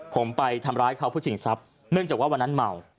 ผมไปทำร้ายเขาเพื่อชิงทรัพย์เนื่องจากว่าวันนั้นเมา